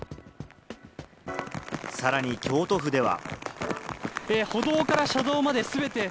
さらに京都府では。